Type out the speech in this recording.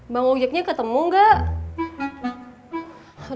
bang ugyeknya ketemu nggak